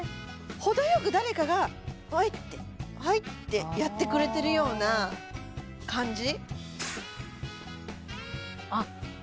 程よく誰かがはいってはいってやってくれてるような感じ？